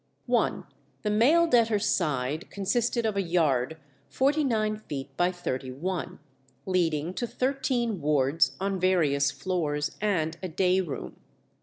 i. The male debtors' side consisted of a yard forty nine feet by thirty one, leading to thirteen wards on various floors, and a day room.